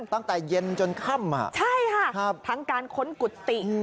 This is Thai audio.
ตั้งแต่เย็นจนค่ำอ่ะใช่ค่ะครับทั้งการค้นกุฏิอืม